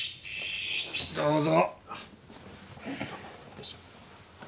どうぞ。